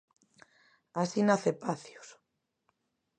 Así nace Pacios.